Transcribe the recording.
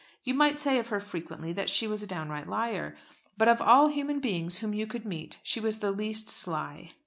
You might say of her frequently that she was a downright liar. But of all human beings whom you could meet she was the least sly.